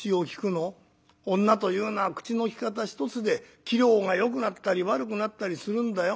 女というのは口の利き方一つで器量がよくなったり悪くなったりするんだよ。